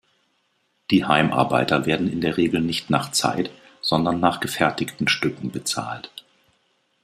Die Heimarbeiter werden in der Regel nicht nach Zeit, sondern nach gefertigten Stücken bezahlt.